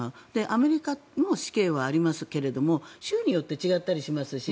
アメリカも死刑はありますが州によって違ったりしますし